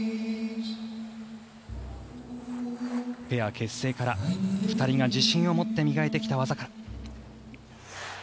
ペア結成から２人が自信を持って磨いてきた技が。